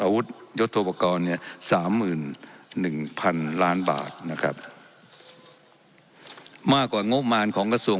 ยุทธโปรกรณ์เนี่ยสามหมื่นหนึ่งพันล้านบาทนะครับมากกว่างบมารของกระทรวง